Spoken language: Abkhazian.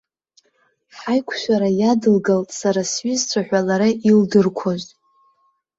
Ҳаиқәшәара иадылгалт сара сҩызцәа ҳәа лара илдырқәоз.